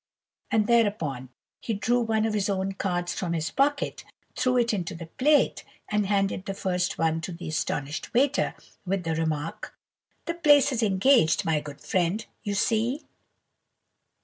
and thereupon he drew one of his own cards from his pocket, threw it into the plate, and handed the first one to the astonished waiter, with the remark:— "'The place is engaged, my good friend, you see!